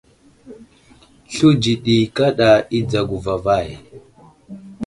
Sluwdji ɗi kaɗa i dzago vavay.